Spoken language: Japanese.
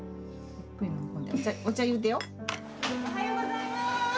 おはようございます！